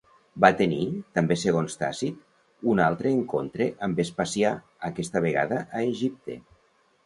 Va tenir, també segons Tàcit, un altre encontre amb Vespasià, aquesta vegada a Egipte.